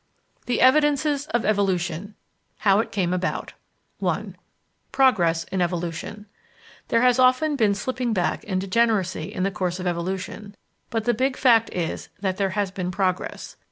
THE EVIDENCES OF EVOLUTION HOW IT CAME ABOUT § 1 Progress in Evolution There has often been slipping back and degeneracy in the course of evolution, but the big fact is that there has been progress.